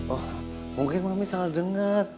oh mungkin mami salah dengar